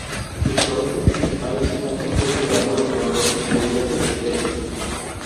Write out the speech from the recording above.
Sus forestas principales están compuestas de árboles frondosos de diversas especies.